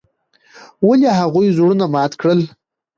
ولې هغوي زړونه مات کړل.